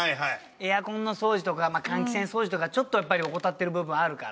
エアコンの掃除とか換気扇掃除とかちょっとやっぱり怠ってる部分あるから。